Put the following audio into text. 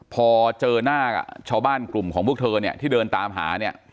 พอเจอหน้ากับชาวบ้านกลุ่มของพวกเธอเนี่ยที่เดินตามหาเนี่ย